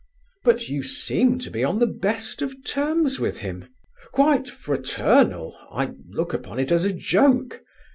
"But you seem to be on the best of terms with him?" "Quite fraternal—I look upon it as a joke.